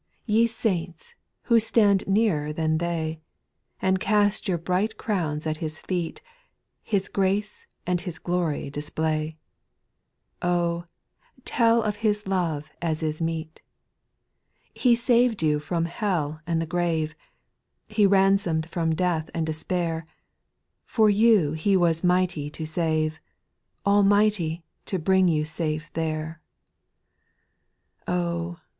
2. Ye saints, who stand nearer than they. And cast your bright crowns at His feet. His grace and His glory display ; Oh ! tell of His love as is meet. He saved you from hell and the grave — He ransomed from death and despair, For you He was mighty to save, Almighty to bring you safe there. 8. Oh !